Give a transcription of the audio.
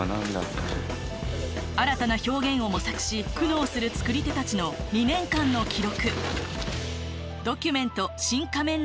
新たな表現を模索し苦労する作り手たちの２年間の記録。